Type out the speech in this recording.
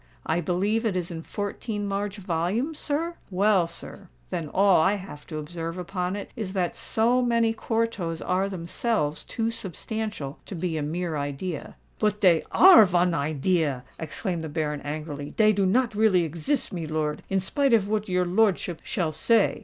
I believe it is in fourteen large volumes, sir? Well, sir—then all I have to observe upon it is that so many quartos are themselves too substantial to be a mere idea." "But dey are von idea!" exclaimed the Baron, angrily. "Dey do not really exist, milor—in spite of what your lordship shall say.